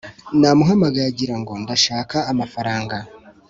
namuhamagaye agira ngo ndashaka amafaranga